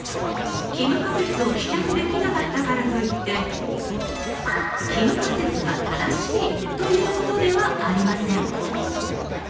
帰無仮説を棄却できなかったからといって帰無仮説が正しいということではありません。